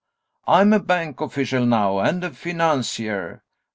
I'm a bank official now, and a financier...